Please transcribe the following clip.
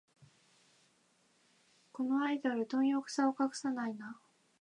このアイドル、どん欲さを隠さないな